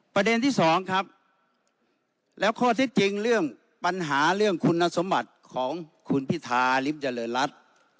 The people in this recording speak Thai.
ประเด็นที่สองครับแล้วข้อเท็จจริงเรื่องปัญหาเรื่องคุณสมบัติของคุณพิธาริมเจริญรัฐ